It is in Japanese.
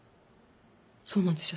そうなんですよ。